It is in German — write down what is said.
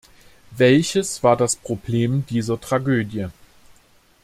Welches war das Problem dieser Tragödie?